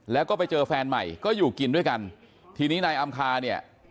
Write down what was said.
แล้วก็ไปเจอแฟนใหม่ก็อยู่กินด้วยกันทีนี้นายอำคาเนี่ย